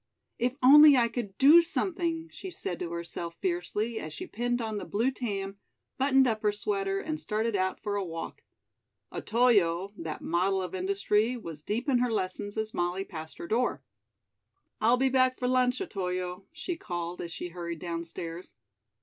"If I could only do something," she said to herself fiercely as she pinned on the blue tam, buttoned up her sweater and started out for a walk. Otoyo, that model of industry, was deep in her lessons as Molly passed her door. "I'll be back for lunch, Otoyo," she called as she hurried downstairs.